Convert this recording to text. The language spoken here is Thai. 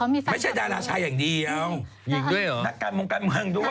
ไม่ใช่ดาราชายอย่างดีก็อ่ะนักการมงการบางด้วย